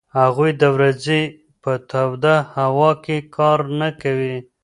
هغوی د ورځې په توده هوا کې کار نه کوي.